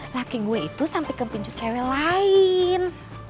kaki gue itu sampai ke pincu cewek lain